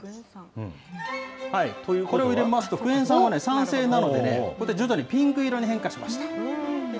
これを入れますと、クエン酸は酸性なので、こうやって徐々にピンク色に変化しました。